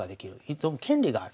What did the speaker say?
挑む権利がある。